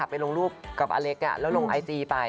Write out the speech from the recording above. ไปลงรูปกับอเล็กซ์แล้วลงไอจีไป